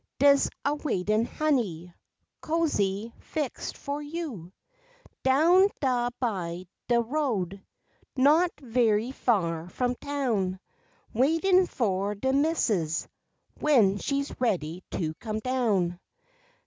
Des awaitin', honey, Cozy fixt fur you; Down dah by de road, Not ve'y far from town, Waitin' fur de missis, When she's ready to come down.